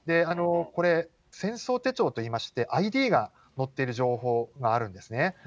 これ、戦争手帳といいまして、ＩＤが載ってる情報があるんですね。